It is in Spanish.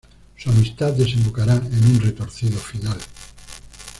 Su amistad desembocará en un retorcido final.